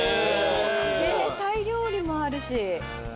タイ料理もあるし。